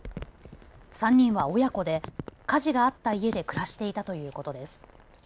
３人は親子で火事があった家で暮らしていたということです。